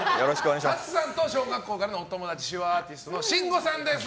ＴＡＴＳＵさんと小学校からのお友達手話アーティストＳＨＩＮＧＯさんです。